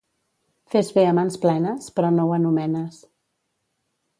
Fes bé a mans plenes, però no ho anomenes.